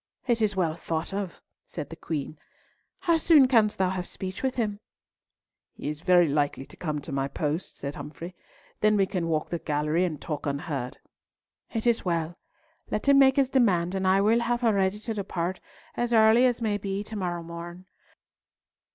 It is well thought of," said the Queen. "How soon canst thou have speech with him?" "He is very like to come to my post," said Humfrey, "and then we can walk the gallery and talk unheard." "It is well. Let him make his demand, and I will have her ready to depart as early as may be to morrow morn.